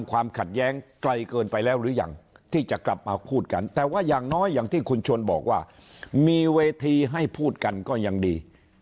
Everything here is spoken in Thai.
คุณชวนบอกว่ามีเวทีให้พูดกันก็ยังดี